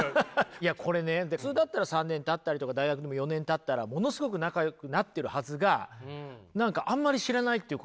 いやこれね普通だったら３年たったりとか大学でも４年たったらものすごく仲よくなってるはずが何かあんまり知らないっていうことがね。